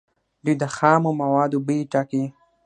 دوی د خامو موادو بیې ټاکي.